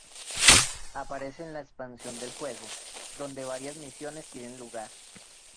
Aparece en la expansión del juego, donde varias misiones tienen lugar.